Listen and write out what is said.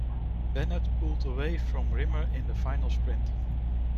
Bennett pulled away from Rimmer in the final sprint.